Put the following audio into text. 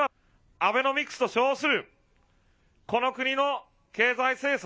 アベノミクスと称する、この国の経済政策。